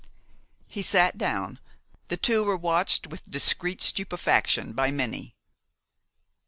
He sat down. The two were watched with discreet stupefaction by many.